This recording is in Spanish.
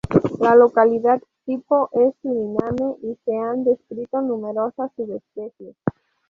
La localidad tipo es Suriname, y se han descrito numerosas subespecies.